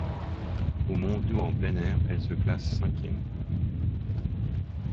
Aux mondiaux en plein air, elle se classe cinquième.